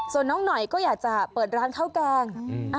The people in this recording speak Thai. ส่วนน้องหน่อยก็อยากจะเปิดร้านข้าวแกง